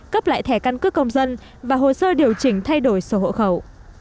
cấp lại thẻ căn cước công dân và hồ sơ điều chỉnh thay đổi sổ hộ khẩu